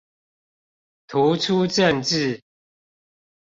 突出政治